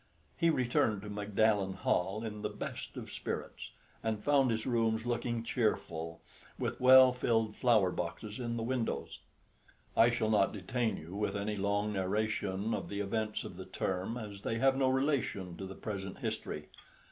He returned to Magdalen Hall in the best of spirits, and found his rooms looking cheerful with well filled flower boxes in the windows. I shall not detain you with any long narration of the events of the term, as they have no relation to the present history.